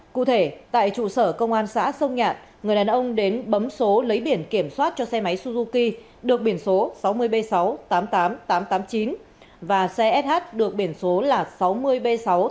cụ thể tại trụ sở công an xã sông nhạn người đàn ông đến bấm số lấy biển kiểm soát cho xe máy suzuki được biển số sáu mươi b sáu trăm tám mươi tám nghìn tám trăm tám mươi chín và xe sh được biển số sáu mươi b sáu trăm tám mươi tám nghìn tám trăm tám mươi sáu